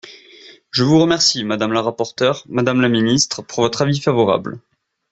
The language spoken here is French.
Je vous remercie, madame la rapporteure, madame la ministre, pour votre avis favorable.